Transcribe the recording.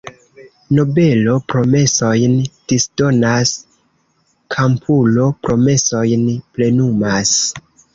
Nobelo promesojn disdonas, kampulo promesojn plenumas.